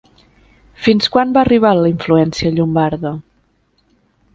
Fins quan va arribar la influència llombarda?